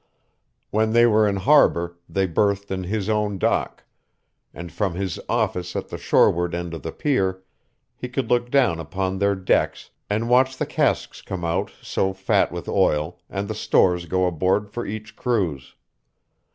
When they were in harbor, they berthed in his own dock; and from his office at the shoreward end of the pier, he could look down upon their decks, and watch the casks come out, so fat with oil, and the stores go aboard for each cruise.